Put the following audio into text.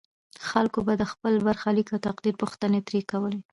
خلکو به د خپل برخلیک او تقدیر پوښتنه ترې کوله.